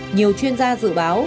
nhiều chuyên gia dự báo